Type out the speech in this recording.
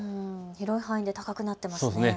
広い範囲で高くなっていますね。